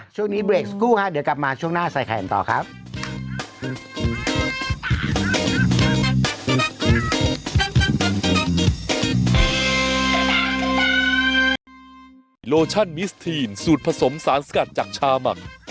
ช่วงนี้เบรกสักครู่ฮะเดี๋ยวกลับมาช่วงหน้าใส่ไข่กันต่อครับ